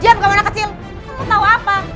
diam kamu anak kecil kamu tau apa